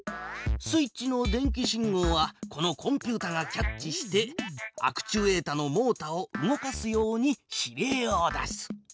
スイッチの電気信号はこのコンピュータがキャッチしてアクチュエータのモータを動かすように指令を出す。